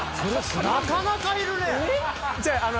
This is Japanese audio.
なかなかいるね！